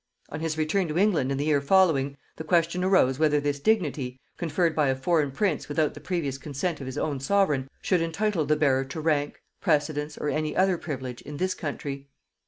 On his return to England in the year following, the question arose whether this dignity, conferred by a foreign prince without the previous consent of his own sovereign, should entitle the bearer to rank, precedence, or any other privilege in this country.